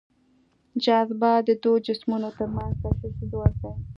جاذبه د دوو جسمونو تر منځ د کشش ځواک دی.